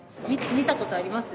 見たことあります？